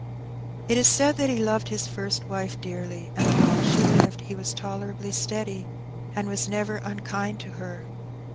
It is said that he loved his first wife dearly, and that while she lived he was tolerably steady, and was never unkind to her.